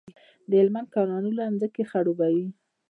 د هلمند کانالونه ځمکې خړوبوي.